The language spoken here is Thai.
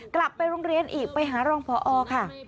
กลับไปโรงเรียนอีกไปหารองพอค่ะ